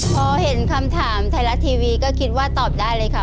พอเห็นคำถามไทยรัฐทีวีก็คิดว่าตอบได้เลยค่ะ